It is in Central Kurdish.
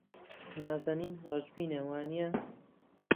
نازەنین ڕەشبینە، وانییە؟